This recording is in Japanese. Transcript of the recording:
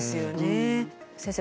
先生